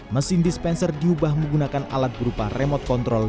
mesin dispenser diubah menggunakan alat berupa remote control